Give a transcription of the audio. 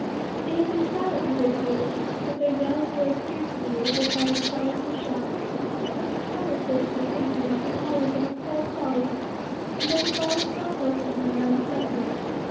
They had been silent hitherto, but their yells rose fiercely as they fired shot after shot; but the powder sold to the Indians was always of a poor quality, and though the balls fell close to her none struck her.